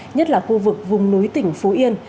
nhất là khu vực vùng núi tỉnh phú yên